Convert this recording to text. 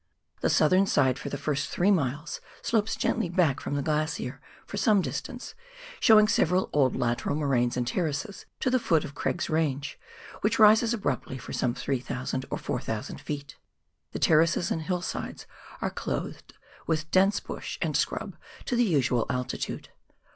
The southern side for the first three miles slopes gently back from the glacier for some distance, showing several old lateral moraines and terraces, to the foot of Craig's E ange, which rises abruptly for some 3,000 or 4,000 ft. The terraces and hillsides are clothed with dense bush and scrub to the usual altitude.